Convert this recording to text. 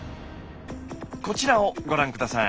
こちらをご覧下さい。